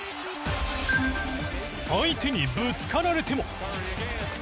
相手にぶつかられても。